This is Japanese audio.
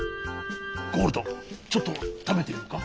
ゴールドちょっとたべてみるか？